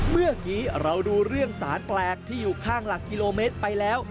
เมื่อกี้เราดูเรื่องสารแปลกที่อยู่ข้างหลักกิโลเมตรไปแล้ว